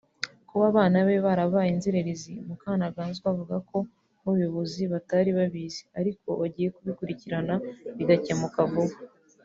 Kuba abana be barabaye inzererezi Mukantaganzwa avuga ko nk’ubuyobozi batari babizi ariko bagiye kubikurikirana bigakemuka vuba